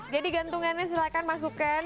jadi gantungannya silahkan masukkan